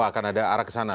oh akan ada arah ke sana